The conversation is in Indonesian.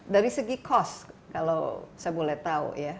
dari segi cost kalau saya boleh tahu ya